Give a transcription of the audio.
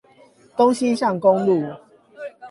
東西向公路